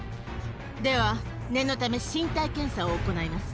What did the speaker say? では、念のため、身体検査を行います。